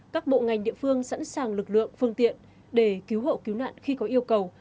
các bộ ngành địa phương sẵn sàng lực lượng phương tiện để cứu hộ cứu nạn khi có yêu cầu